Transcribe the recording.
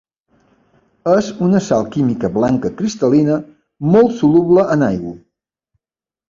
És una sal química blanca cristal·lina molt soluble en aigua.